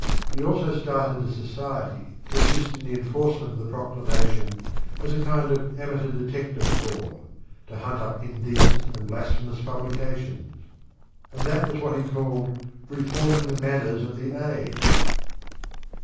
He also started a society, to assist in the enforcement of the proclamation, as a kind of amateur detective corps, to hunt up indecent and blasphemous publications. And that was what he called reforming the manners of the age!